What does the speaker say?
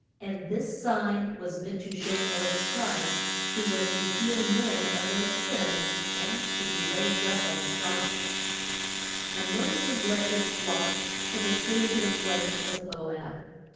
And this sign was meant to show forth Christ, who was to heal men of their sins, and to be raised up on a cross. [Illustration: BA LAAM AND THE ASS.] And Mo ses led his flock till they came to the plains of Mo ab.